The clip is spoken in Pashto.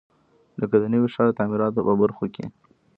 لکه د نوي ښار د تعمیراتو په برخو کې.